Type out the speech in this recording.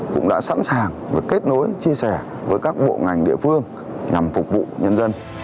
cũng đã sẵn sàng kết nối chia sẻ với các bộ ngành địa phương nhằm phục vụ nhân dân